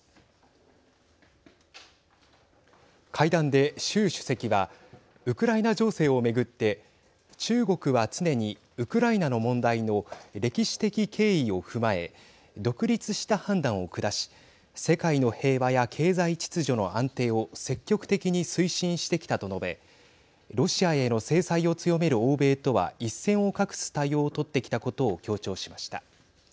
会談で習主席はウクライナ情勢を巡って中国は常にウクライナの問題の歴史的経緯を踏まえ独立した判断を下し世界の平和や経済秩序の安定を積極的に推進してきたと述べロシアへの制裁を強める欧米とは一線を画す対応をとってきたことを強調しました。